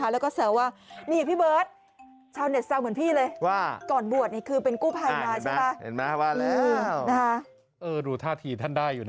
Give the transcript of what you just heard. แล้วก็แสวว่านี่พี่เบิ๊ศ